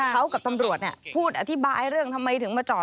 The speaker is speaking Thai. เขากับตำรวจพูดอธิบายเรื่องทำไมถึงมาจอด